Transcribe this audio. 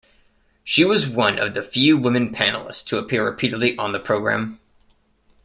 She was one of the few women panelists to appear repeatedly on the program.